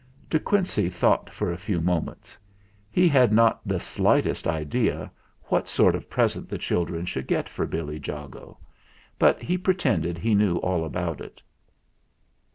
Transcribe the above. De Quincey thought for a few moments. He had not the slightest idea what sort of present the children should get for Billy Jago; but he pretended he knew all about it.